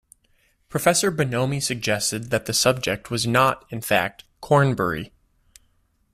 Professor Bonomi suggested that the subject was not, in fact, Cornbury.